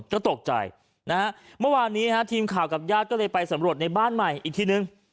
ก็ตกใจนะฮะเมื่อวานนี้ฮะทีมข่าวกับญาติก็เลยไปสำรวจในบ้านใหม่อีกทีนึง